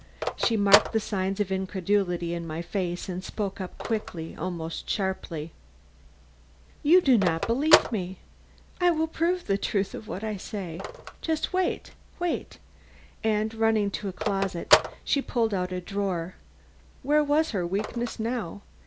She marked the signs of incredulity in my face and spoke up quickly, almost sharply: "You do not believe me. I will prove the truth of what I say. Wait wait!" and running to a closet, she pulled out a drawer where was her weakness now?